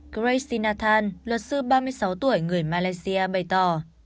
gracie nathan luật sư ba mươi sáu tuổi người malaysia bày tỏ